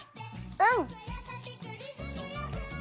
うん！